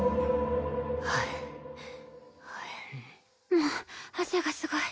もう汗がすごい。